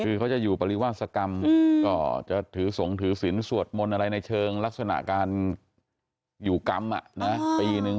คือเขาจะอยู่ปริวาสกรรมก็จะถือสงถือศิลปสวดมนต์อะไรในเชิงลักษณะการอยู่กรรมปีนึง